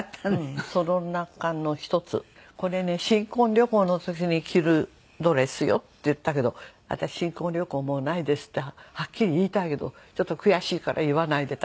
「これね新婚旅行の時に着るドレスよ」って言ったけど「私新婚旅行もうないです」ってはっきり言いたいけどちょっと悔しいから言わないでいたけども。